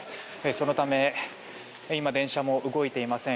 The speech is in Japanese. そのため電車も動いていません。